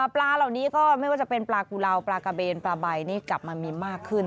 ปลาเหล่านี้ก็ไม่ว่าจะเป็นปลากุลาวปลากระเบนปลาใบนี่กลับมามีมากขึ้น